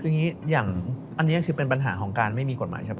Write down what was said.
คืออย่างอันนี้นี่คือเป็นปัญหาของเรานะไม่มีกฎหมายชะพอ